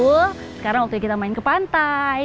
sekarang waktu kita main ke pantai